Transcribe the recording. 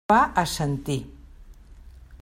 Va assentir.